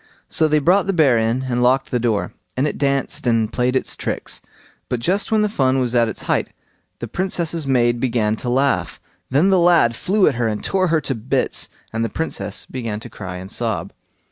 So they brought the bear in, and locked the door, and it danced and played its tricks; but just when the fun was at its height, the Princess's maid began to laugh. Then the lad flew at her and tore her to bits, and the Princess began to cry and sob.